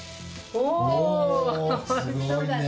おいしそうだね。